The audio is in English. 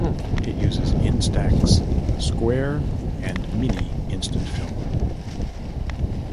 It uses Instax Square and Mini instant film.